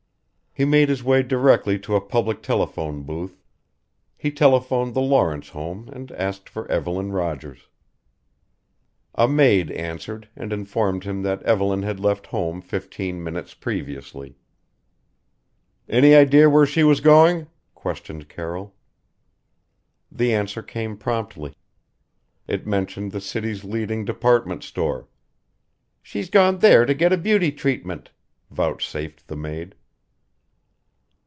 He made his way directly to a public telephone booth. He telephoned the Lawrence home and asked for Evelyn Rogers. A maid answered and informed him that Evelyn had left home fifteen minutes previously. "Any idea where she was going?" questioned Carroll. The answer came promptly: it mentioned the city's leading department store "she's gone there to get a beauty treatment," vouchsafed the maid.